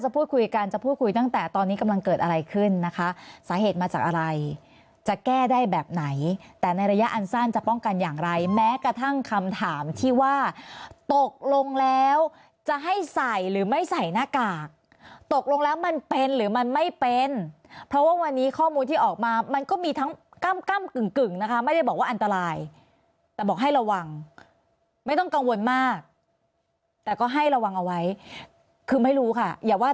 พูดคุยกันจะพูดคุยตั้งแต่ตอนนี้กำลังเกิดอะไรขึ้นนะคะสาเหตุมาจากอะไรจะแก้ได้แบบไหนแต่ในระยะอันสั้นจะป้องกันอย่างไรแม้กระทั่งคำถามที่ว่าตกลงแล้วจะให้ใส่หรือไม่ใส่หน้ากากตกลงแล้วมันเป็นหรือมันไม่เป็นเพราะว่าวันนี้ข้อมูลที่ออกมามันก็มีทั้งก้ำก้ำกึ่งกึ่งนะคะไม่ได้บอกว่าอันตรายแต่บอกให้ระวังไม่ต้องกังวลมากแต่ก็ให้ระวังเอาไว้คือไม่รู้ค่ะอย่าว่า